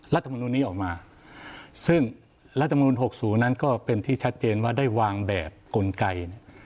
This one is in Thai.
รัฐมนุนนี้ออกมาซึ่งรัฐมนุน๖๐นั้นก็เป็นที่ชัดเจนว่าได้วางแบบกลไก